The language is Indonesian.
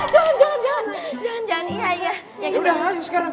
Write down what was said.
jangan jangan jangan